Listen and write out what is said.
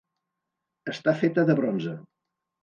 Està feta de bronze.